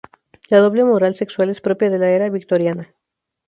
La doble moral sexual es propia de la era victoriana.